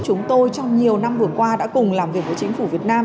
chúng tôi trong nhiều năm vừa qua đã cùng làm việc với chính phủ việt nam